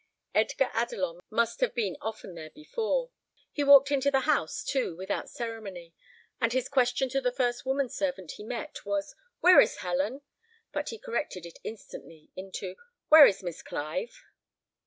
Edgar Adelon must have been often there before. He walked into the house, too, without ceremony, and his question to the first woman servant he met was, "Where is Helen?" but he corrected it instantly into "Where is Miss Clive?"